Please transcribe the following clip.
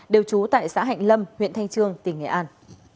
đều trú tại xã hạnh lâm huyện thanh trương tỉnh nghệ an